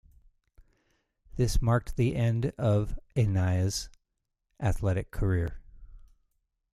This marked the end of a Nia's athletic career.